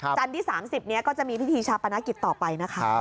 จันทร์ที่๓๐นี้ก็จะมีพิธีชาปนกิจต่อไปนะคะ